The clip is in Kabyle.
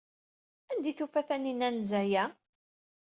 Anda ay d-tufa Taninna anza-a?